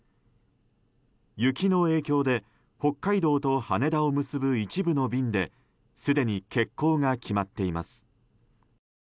雪の影響で北海道と羽田を結ぶ一部の便ですでに欠航が決まっています。